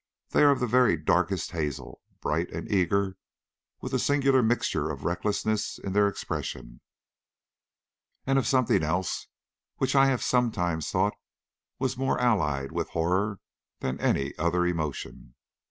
They are of the very darkest hazel, bright and eager, with a singular mixture of recklessness in their expression, and of something else which I have sometimes thought was more allied with horror than any other emotion.